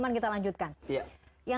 masih ada yang mengatakan